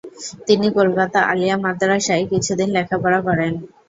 তিনি কলকাতা আলিয়া মাদ্রাসায় কিছুদিন লেখাপড়া করেন।